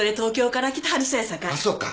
あっそうか。